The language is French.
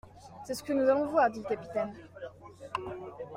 C'est ce que nous allons voir, dit le capitaine.